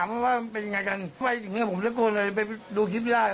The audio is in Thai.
มันเลยมันกล้องเลยแต่มันตัดออกไปนะ